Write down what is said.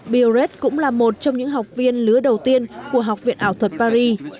bioret cũng là một trong những học viên lứa đầu tiên của học viện ảo thuật paris